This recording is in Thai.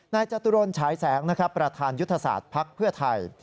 นายจตุรนฉายแสงประธานยุทธศาสตร์พรรคเพื่อไทย